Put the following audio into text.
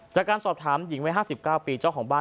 จากการสอบถามหญิงวัย๕๙ปีเจ้าของบ้าน